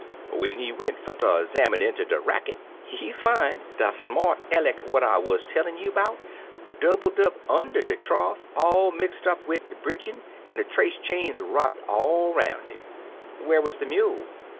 When he went ferterzammin inter de racket, he fine de smart Elleck what I wuz tellin' you 'bout doubled up under de troff , all mixed up wid de britdiin', an' er trace chain wropped all 'roun' 'im." "Where was the mule?"